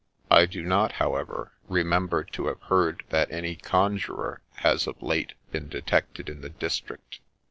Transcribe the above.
I do not, however, remember to have heard that any Conjurer has of late been detected in thfi district.